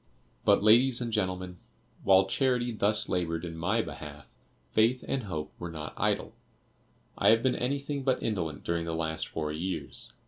"But, ladies and gentlemen, while Charity thus labored in my behalf, Faith and Hope were not idle. I have been anything but indolent during the last four years.